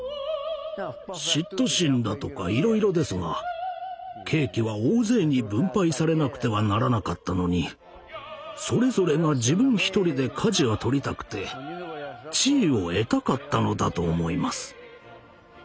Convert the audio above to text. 嫉妬心だとかいろいろですがケーキは大勢に分配されなくてはならなかったのにそれぞれが自分一人でかじを取りたくて地位を得たかったのだと思います。